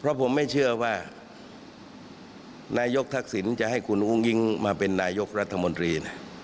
เพราะผมไม่เชื่อว่านายกทักษิณจะให้คุณอุ้งอิงมาเป็นนายกรัฐมนตรี